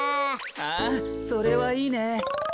ああそれはいいね。